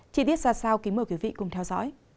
chỉ biết ra sao kính mời quý vị cùng theo dõi